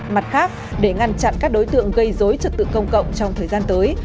mặt khác để ngăn chặn các đối tượng gây dối trật tự công cộng trong thời gian tới